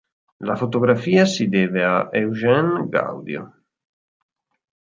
La fotografia si deve a Eugene Gaudio.